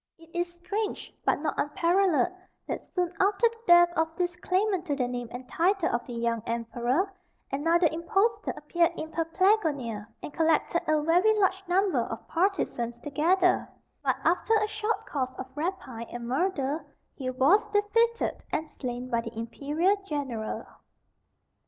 It is strange, but not unparalleled, that soon after the death of this claimant to the name and title of the young Emperor, another impostor appeared in Paphlagonia, and collected a very large number of partisans together; but after a short course of rapine and murder, he was defeated and slain by the imperial general.